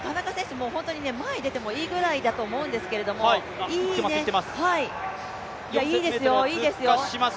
もう、本当に前に出てもいいぐらいだと思うんですけどいいですよ、いいですよ。